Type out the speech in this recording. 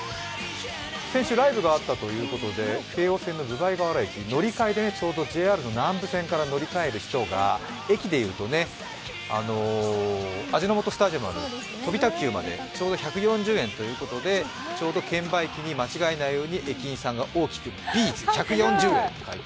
先週ライブがあったということで京王線の分倍河原駅、南武線から乗り換えのところ、駅でいうと味の素スタジアムがある飛田給までちょうど１４０円ということで券売機に間違えないように駅員さんが大きくＢ’ｚ１４０円って。